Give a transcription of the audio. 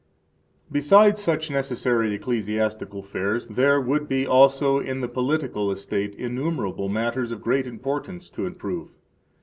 12 Besides such necessary ecclesiastical affairs, there would be also in the political estate innumerable matters of great importance to improve.